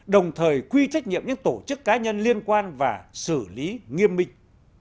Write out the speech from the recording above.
đồng thời quy trách nhiệm những tổ chức cá nhân liên quan và xử lý nghiêm minh